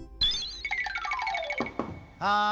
はい。